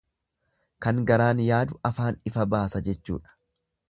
Kan garaan yaadu afaan ifa baasa jechuudha.